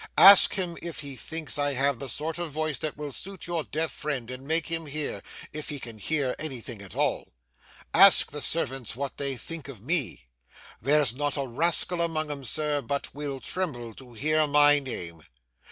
Ask him if he thinks I have the sort of voice that will suit your deaf friend and make him hear, if he can hear anything at all. Ask the servants what they think of me. There's not a rascal among 'em, sir, but will tremble to hear my name.